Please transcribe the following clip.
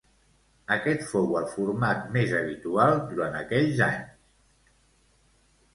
Aquest fou el format més habitual durant aquells anys.